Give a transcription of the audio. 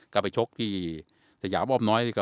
กลับไปชกที่สยามอ้อมน้อย